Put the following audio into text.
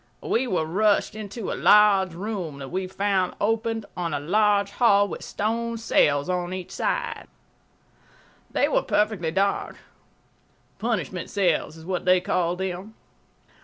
We were rushed into a large room that we found opened on a large hall with stone cells on each side. They were perfectly dark. Punishment cells is what they call them.